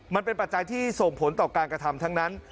ปัจจัยที่ส่งผลต่อการกระทำทั้งนั้น